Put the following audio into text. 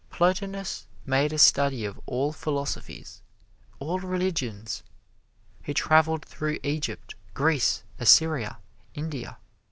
Plotinus made a study of all philosophies all religions. He traveled through Egypt, Greece, Assyria, India.